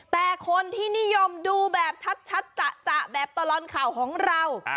แต่คนที่นิยมดูแบบชัดจะแบบตลอดข่าวของเรา